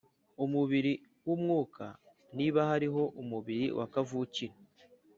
umubiri w umwuka Niba hariho umubiri wa kavukire